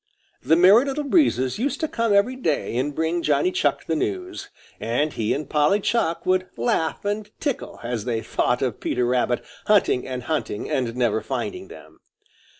The Merry Little Breezes used to come every day and bring Johnny Chuck the news, and he and Polly Chuck would laugh and tickle, as they thought of Peter Rabbit hunting and hunting and never finding them.